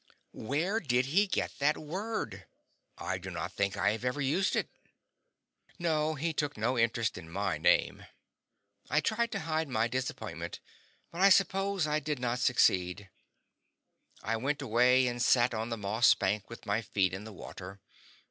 Where did he get that word? I do not think I have ever used it. No, he took no interest in my name. I tried to hide my disappointment, but I suppose I did not succeed. I went away and sat on the moss bank with my feet in the water.